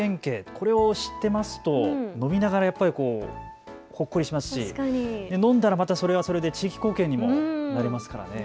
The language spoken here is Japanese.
これを知っていますと飲みながらやっぱりほっこりしますし、飲んだらまたそれはそれで地域貢献にもなりますからね。